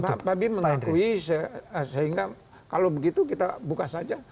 pak babi mengakui sehingga kalau begitu kita buka saja